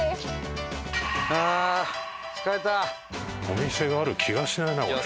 お店がある気がしないなこれ。